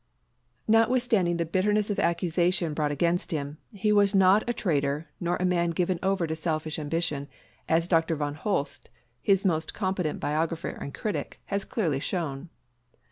[Illustration: J. C. CALHOUN.] Notwithstanding the bitterness of accusation brought against him, he was not a traitor nor a man given over to selfish ambition, as Dr. von Holst, his most competent biographer and critic, has clearly shown.